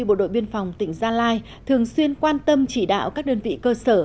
bộ đội biên phòng tỉnh gia lai thường xuyên quan tâm chỉ đạo các đơn vị cơ sở